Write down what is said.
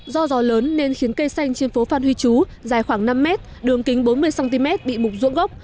do gió lớn nên khiến cây xanh trên phố phan huy chú dài khoảng năm mét đường kính bốn mươi cm bị mục ruộng gốc